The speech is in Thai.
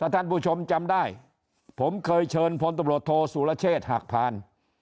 ท่านผู้ชมจำได้ผมเคยเชิญพลตำรวจโทษสุรเชษฐ์หักพาน